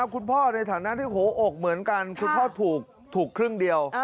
คุณพ่อในฐานะที่หัวอกเหมือนกันคุณพ่อถูกครึ่งเดียว